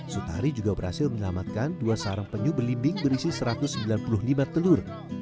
sutari juga berhasil menyelamatkan dua sarang penyu berlimbing berisi satu ratus sembilan puluh lima telur